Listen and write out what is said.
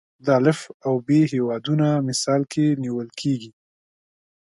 د الف او ب هیوادونه مثال کې نیول کېږي.